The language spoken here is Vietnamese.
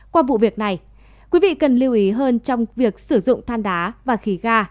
qua vụ việc này quý vị cần lưu ý hơn trong việc sử dụng than đá và khí ga